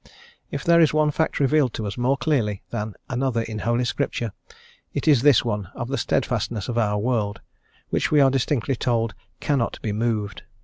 If there is one fact revealed to us more clearly than another in Holy Scripture, it is this one of the steadfastness of our world, which we are distinctly told, "cannot be moved."